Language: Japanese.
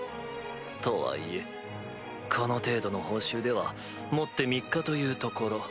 とはいえこの程度の報酬ではもって３日というところ。